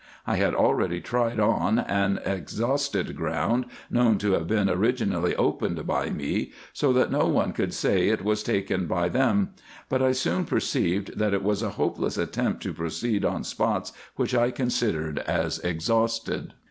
I had already tried on an exhausted ground, known to have been originally opened by me, so that no one could say it was taken by them ; but I soon perceived, that it was a hopeless attempt to proceed on spots which I considered as exhausted.